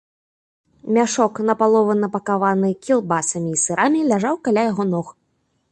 Мяшок, напалову напакаваны кілбасамі і сырамі, ляжаў каля яго ног.